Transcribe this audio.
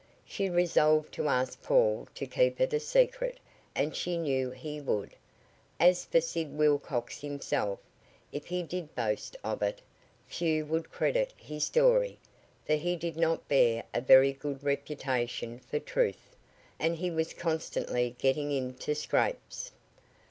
She resolved to ask Paul to keep it a secret, and she knew he would. As for Sid himself, if he did boast of it, few would credit his story, for he did not bear a very good reputation for truth, and he was constantly getting into scrapes.